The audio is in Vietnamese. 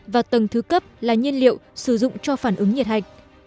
và tầng thứ cấp là nhiên liệu sử dụng cho phản ứng nhiệt hạch